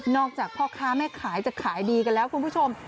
อกจากพ่อค้าแม่ขายจะขายดีกันแล้วคุณผู้ชม